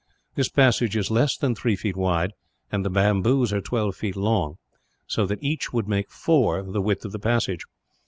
This passage is less than three feet wide, and the bamboos are twelve feet long; so that each would make four, the width of the passage.